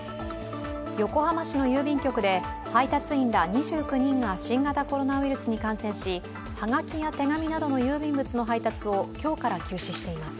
横浜市の郵便局で配達員ら２９人が新型コロナウイルスに感染し、はがきや手紙などの郵便物の配達を今日から休止しています。